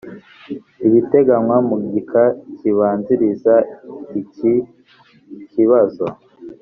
ibiteganywa mu gika kibanziriza iki kibazo